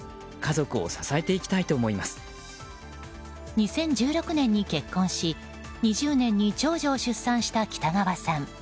２０１６年に結婚し２０年に長女を出産した北川さん。